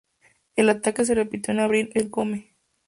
El ataque se repitió en abril en Gombe.